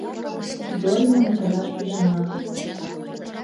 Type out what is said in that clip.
Зориным утараш пижына.